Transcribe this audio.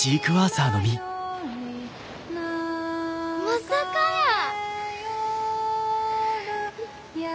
まさかやー。